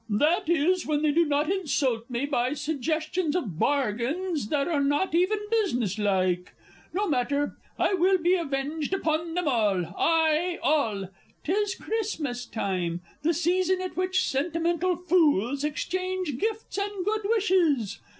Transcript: "] that is, when they do not insult me by suggestions of bargains that are not even businesslike! No matter I will be avenged upon them all ay, all! 'Tis Christmas time the season at which sentimental fools exchange gifts and good wishes.